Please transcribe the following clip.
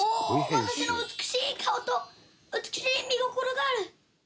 私の美しい顔と美しい御心がある。